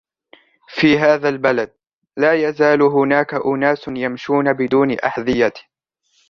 في هذا البلد، لا يزال هناك أناس يمشون بدون أحذية.